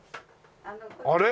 あれ？